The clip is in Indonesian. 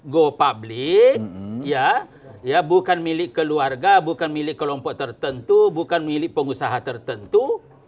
go public ya bukan milik keluarga bukan milik kelompok tertentu bukan milik pengusaha tertentu